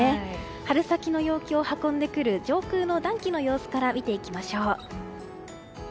春先の陽気を運んでくる上空の暖気の様子を見ていきましょう。